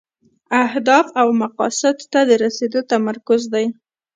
اهدافو او مقاصدو ته د رسیدو تمرکز دی.